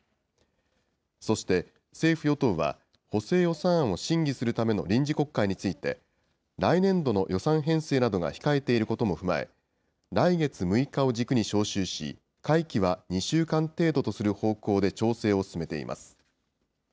そして政府・与党は、補正予算案を審議するための臨時国会について、来年度の予算編成などが控えていることも踏まえ、来月６日を軸に召集し、会期は２週間程度とする方向で調整を進めています。